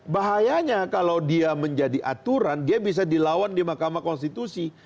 bahayanya kalau dia menjadi aturan dia bisa dilawan di mahkamah konstitusi